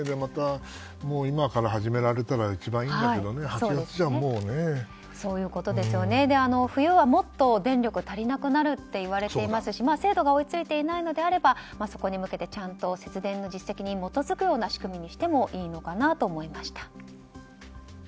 今から始められたら一番いいんだけど冬はもっと電力が足りなくなるといわれていますし制度が追い付いていないのであればそこに向けて、ちゃんと節電の実績に基づくような仕組みにしてもいいのかなと思いました。